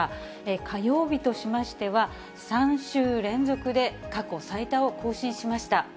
火曜日としましては、３週連続で過去最多を更新しました。